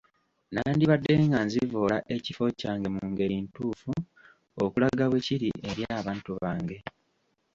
Nandibadde nga nzivoola ekifo kyange mu ngeri ntuufu, okulaga bwe kiri eri abantu bange.